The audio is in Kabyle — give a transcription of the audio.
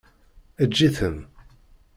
Eǧǧ-iten.